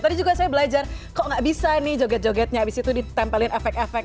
tadi juga saya belajar kok gak bisa nih joget jogetnya abis itu ditempelin efek efek